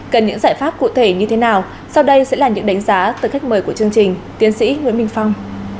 cần những giải pháp cụ thể như thế nào sau đây sẽ là những đánh giá từ khách mời của chương trình tiến sĩ nguyễn minh phong